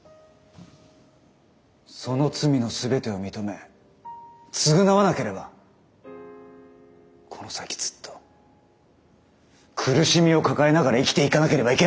その罪の全てを認め償わなければこの先ずっと苦しみを抱えながら生きていかなければいけないんですよ。